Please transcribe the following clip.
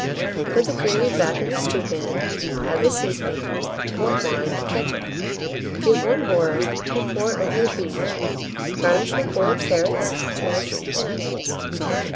Put the gravy back in the stewpan, add the seasoning, port wine, and ketchup, give one boil, and pour it over the beef; garnish with the boiled carrots, turnips, and onions.